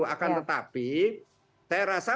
akan tetapi saya rasa